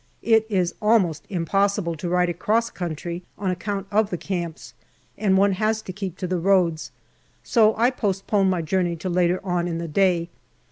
It is almost impossible to ride across country on account of the camps, and one has to keep to the roads, so I post pone my journey to later on in the day.